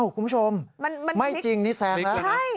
คุณผู้ชมไม่จริงนี่แซมนะ